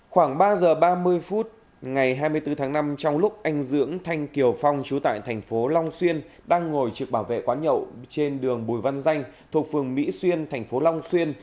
khoảng ba giờ ba mươi phút ngày hai mươi bốn tháng năm trong lúc anh dưỡng thanh kiều phong chú tại thành phố long xuyên đang ngồi trực bảo vệ quán nhậu trên đường bùi văn danh thuộc phường mỹ xuyên thành phố long xuyên